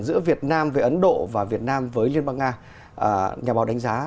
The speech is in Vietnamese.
giữa việt nam với ấn độ và việt nam với liên bang nga